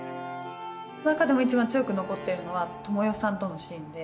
中でも一番強く残ってるのは智代さんとのシーンで。